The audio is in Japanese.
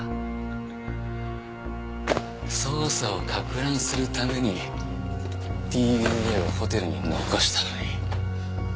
捜査を攪乱するためにＤＮＡをホテルに残したのに。